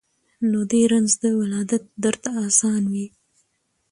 نو دي رنځ د ولادت درته آسان وي